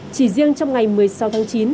chỉ riêng trong ngày một mươi sáu tháng chín